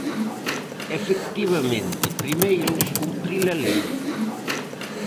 Efectivamente, primeiro, cumprir a lei.